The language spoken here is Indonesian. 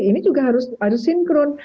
ini juga harus sinkron